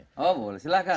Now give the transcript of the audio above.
oh boleh silakan